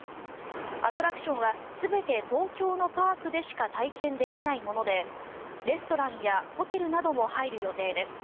アトラクションは全て東京のパークでしか体験できないものでレストランやホテルなども入る予定です。